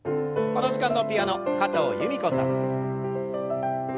この時間のピアノ加藤由美子さん。